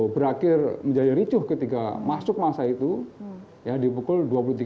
dua puluh tiga puluh berakhir menjadi ricuh ketika masuk masa itu di pukul dua puluh tiga